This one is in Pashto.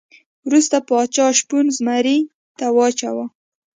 وروسته پاچا شپون زمري ته واچاوه.